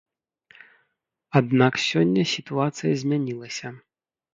Аднак сёння сітуацыя змянілася.